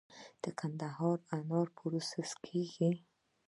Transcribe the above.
د قندهار انار پروسس کیږي؟